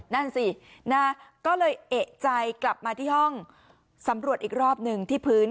นั่นสินะก็เลยเอกใจกลับมาที่ห้องสำรวจอีกรอบหนึ่งที่พื้น